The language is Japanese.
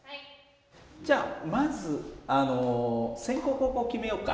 じゃあまずあの先攻後攻決めようか。